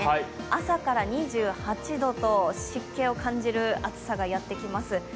朝から２８度と湿気を感じる暑さがやってきます。